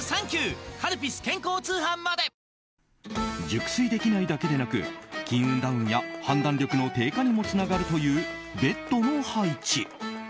熟睡できないだけでなく金運ダウンや判断力の低下にもつながるというベッドの配置。